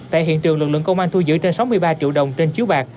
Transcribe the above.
tại hiện trường lực lượng công an thu giữ trên sáu mươi ba triệu đồng trên chiếu bạc